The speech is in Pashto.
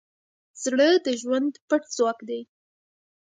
زړه د ژوند پټ ځواک دی.